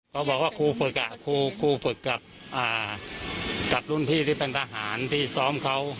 เขาบอกว่าครูฝึกครูฝึกกับรุ่นพี่ที่เป็นทหารที่ซ้อมเขา